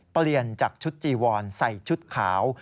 เปลี่ยนจากชุดจีวอนใส่ชุดขาว